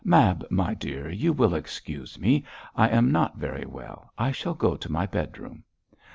'Mab, my dear, you will excuse me, I am not very well; I shall go to my bedroom.'